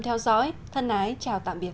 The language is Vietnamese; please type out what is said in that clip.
theo dõi thân ái chào tạm biệt